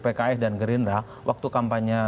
pks dan gerindra waktu kampanye